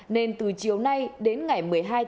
nên từ chiều nay đến ngày một mươi hai một mươi một